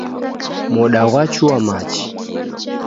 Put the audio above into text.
Moda ghwachua machi.